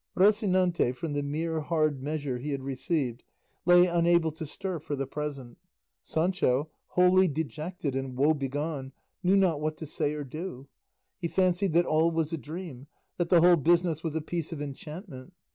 Rocinante from the mere hard measure he had received lay unable to stir for the present. Sancho, wholly dejected and woebegone, knew not what to say or do. He fancied that all was a dream, that the whole business was a piece of enchantment.